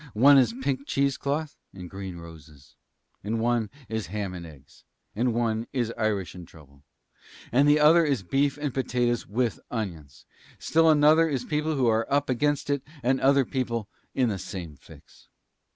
One is pink cheese cloth and green roses, and one is ham and eggs, and one is Irish and trouble. And the other one is beef and potatoes with onions. And still another one is people who are up against it and other people in the same fix."